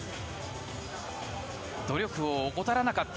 努力を怠らなかった。